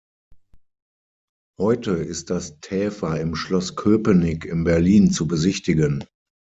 Heute ist das Täfer im Schloss Köpenick in Berlin zu besichtigen.